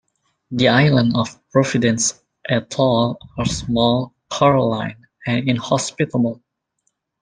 The islands of Providence Atoll are small, coraline and inhospitable.